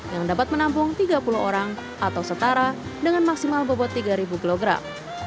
yang dapat menampung tiga puluh orang atau setara dengan maksimal bobot tiga kilogram